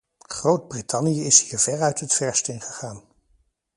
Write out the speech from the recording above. Groot-Brittannië is hier veruit het verst in gegaan.